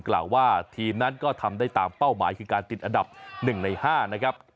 กล่าวว่าทีมนั้นก็ทำได้ตามเป้าหมายคือการติดอันดับ๑ใน๕นะครับ